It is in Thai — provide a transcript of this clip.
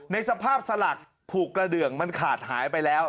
ในสภาพสลักผูกกระเดืองมันขาดหายไปแล้ว